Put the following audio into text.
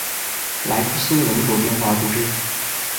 莱库斯人口变化图示